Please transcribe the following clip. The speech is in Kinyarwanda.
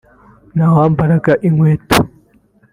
nta wambaraga inkweto